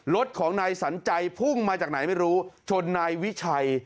รถของนายสันใจพุ่งมาจากไหนไม่รู้ชนนายวิชัย